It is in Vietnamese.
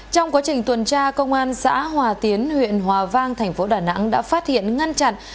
trong quá trình tuần tra công an xã hòa tiến huyện hòa vang thành phố đà nẵng đã phát hiện ngăn chặn